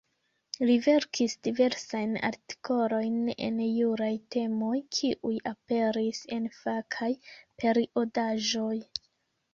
Li verkis diversajn artikolojn en juraj temoj, kiuj aperis en fakaj periodaĵoj.